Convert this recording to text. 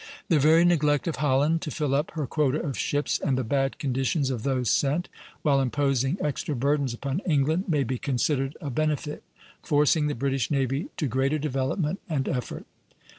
The very neglect of Holland to fill up her quota of ships, and the bad condition of those sent, while imposing extra burdens upon England, may be considered a benefit, forcing the British navy to greater development and effort.